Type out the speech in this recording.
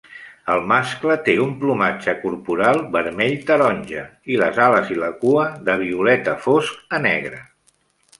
El mascle té un plomatge corporal vermell-taronja, i les ales i la cua de violeta fosc a negre.